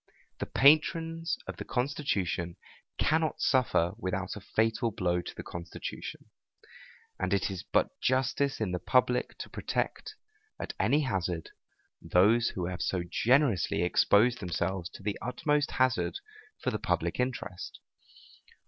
The patrons of the constitution cannot suffer without a fatal blow to the constitution: and it is but justice in the public to protect, at any hazard, those who have so generously exposed themselves to the utmost hazard for the public interest.